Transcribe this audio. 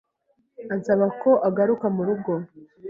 Ansaba ko agaruka mu rugo